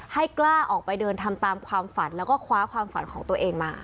กล้าออกไปเดินทำตามความฝันแล้วก็คว้าความฝันของตัวเองมา